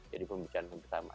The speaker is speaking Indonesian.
jadi pembicaraan bersama